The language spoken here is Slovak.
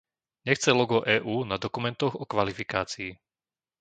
Nechce logo EÚ na dokumentoch o kvalifikácii.